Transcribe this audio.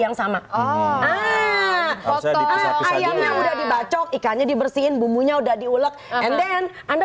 yang sama oh gitu ayamnya udah dibacok ikannya dibersihin bumbunya udah diulek and then anda